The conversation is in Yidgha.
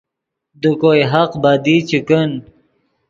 دے کوئے حق بدی چے کن